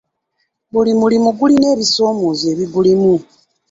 Buli mulimi gulina ebisoomooza ebigulimu.